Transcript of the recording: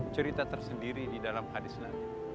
cerita tersendiri di dalam hadis nanti